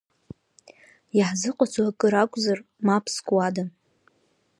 Иаҳзыҟаҵо акыр акәзар, мап зкуада!